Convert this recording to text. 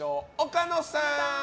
岡野さん！